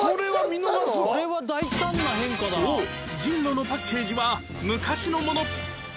そう ＪＩＮＲＯ のパッケージは昔のもの